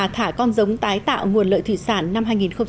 thả con giống tái tạo nguồn lợi thủy sản năm hai nghìn một mươi chín